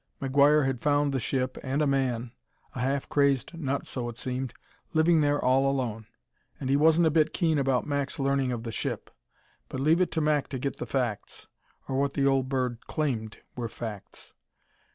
McGuire had found the ship and a man a half crazed nut, so it seemed living there all alone. And he wasn't a bit keen about Mac's learning of the ship. But leave it to Mac to get the facts or what the old bird claimed were facts.